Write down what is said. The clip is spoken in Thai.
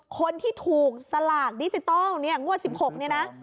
คนที่ถูกสลากดิจิตอลงวด๑๖นี่นะ